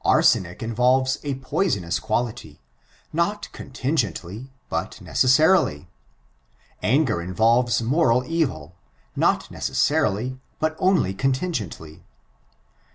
Arsenic involves a poisonous quality; not contingently f hat necessarily. Anger involves moral evil ; not necessarily, but only contingently.